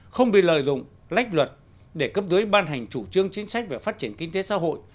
không bị lợi dụng lách luật để cấp dưới ban hành chủ trương chính sách về phát triển kinh tế xã hội